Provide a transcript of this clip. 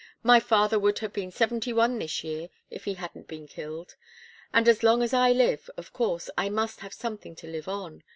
My father would have been seventy one this year if he hadn't been killed. And as long as I live, of course, I must have something to live on.